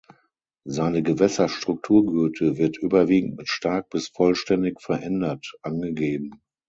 Seine Gewässerstrukturgüte wird überwiegend mit stark bis vollständig verändert angegeben.